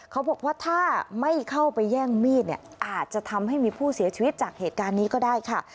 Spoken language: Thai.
เขาบอกว่าถ้าไม่เข้าไปแย่งมีดเนี่ยอาจจะทำให้มีผู้เสียชีวิตจากเหตุการณ์นี้ก็ได้ค่ะ